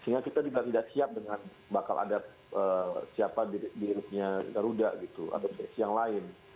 sehingga kita juga tidak siap dengan bakal ada siapa dirutnya garuda gitu atau yang lain